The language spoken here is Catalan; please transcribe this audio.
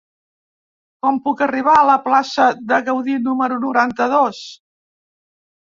Com puc arribar a la plaça de Gaudí número noranta-dos?